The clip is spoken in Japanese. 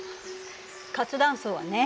活断層はね